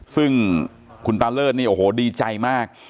ซึ่งคุณตาเลิศนี่โอ้โหดีใจมาก